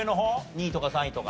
２位とか３位とか。